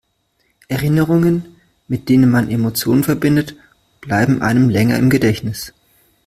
Erinnerungen, mit denen man Emotionen verbindet, bleiben einem länger im Gedächtnis.